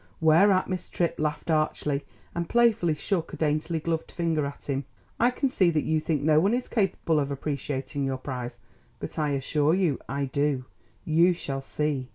Whereat Miss Tripp laughed archly and playfully shook a daintily gloved finger at him. "I can see that you think no one is capable of appreciating your prize; but I assure you I do! You shall see!"